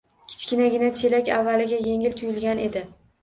Kichkinagina chelak avvaliga yengil tuyulgan edi.